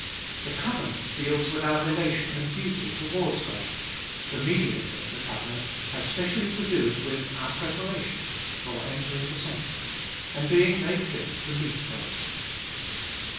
The covenant deals with our relation and duty towards God ; the Mediator of the covenant has specially to do with our preparation for entering the sanctuary, and being made fit to meet God.